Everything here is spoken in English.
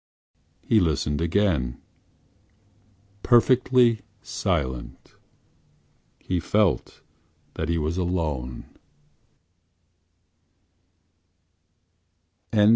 He listened again: perfectly silent. He felt that he was alone.